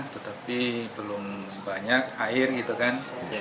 tetapi belum banyak air gitu kan